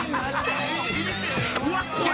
うわっ怖え！